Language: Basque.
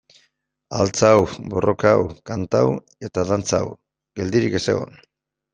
Altxatu, borrokatu, kantatu eta dantzatu, geldirik ez egon.